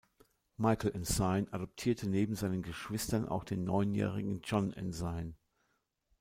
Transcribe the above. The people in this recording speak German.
Michael Ensign adoptierte neben seinen Geschwistern auch den neunjährigen John Ensign.